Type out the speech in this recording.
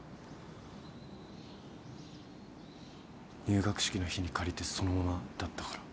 入学式の日に借りてそのままだったから。